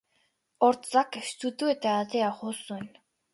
Hortzak estutu eta atea jo zuen.